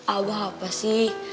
abah apa sih